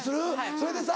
それでさ」